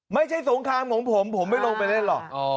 สงครามของผมผมไม่ลงไปเล่นหรอก